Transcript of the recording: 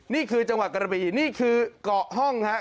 นี่คือจังหวัดกระบีนี่คือเกาะห้องฮะ